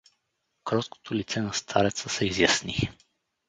Кроткото лице на стареца се изясни.